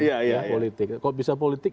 kalau bisa politik